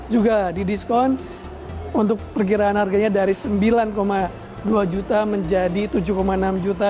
juga didiskon untuk perkiraan harganya dari sembilan dua juta menjadi tujuh enam juta